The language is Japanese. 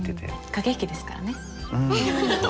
駆け引きですから。